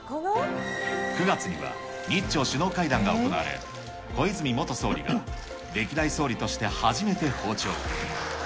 ９月には、日朝首脳会談が行われ、小泉元総理が歴代総理として初めて訪朝。